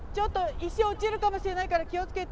石落ちるかもしれないから気を付けて。